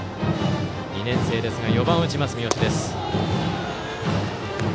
２年生ですが４番を打ちます、三好です。